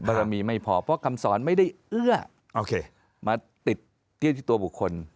เบรอมีไม่พอเพราะคำสอนไม่ได้เอื้อมาติดที่ตัวบุคคล